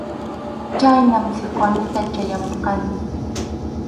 Chhaynam Sikwanita chayamurqani.